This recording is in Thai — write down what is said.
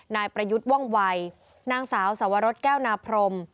นายประยุทธ์ว่องวัยนางสาวสวรสแก้วนาพรม